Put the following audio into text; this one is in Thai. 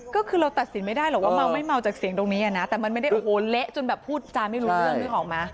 ก็คือเราตัดสินไม่ได้หรอกว่าเมาไม่เมาจากเสียงตรงนี้นะแต่มันไม่ได้โอ้โหเละจนแบบพูดจาไม่รู้เรื่องนึกออกไหม